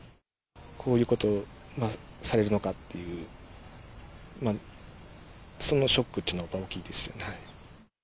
こういうことされるのかっていう、そのショックというのが大きいですよね。